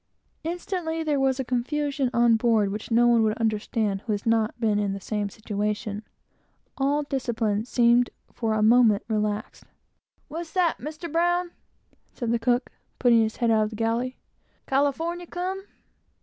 Instantly there was a confusion on board which no one could account for who has not been in the same situation. All discipline seemed for a moment relaxed. "What's that, Mr. Brown?" said the cook, putting his head out of the galley "California come?"